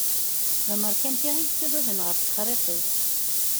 D ameṛkanti i yettagaden ɣef texṛiḍt-is.